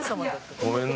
ごめんね。